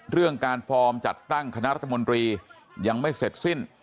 เรื่องการฟอร์มจัดตั้งคณะรัฐมนตรียังไม่เสร็จสิ้น